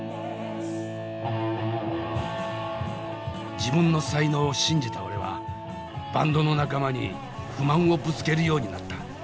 自分の才能を信じた俺はバンドの仲間に不満をぶつけるようになった。